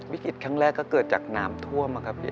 วิกฤตครั้งแรกก็เกิดจากน้ำท่วมนะครับพี่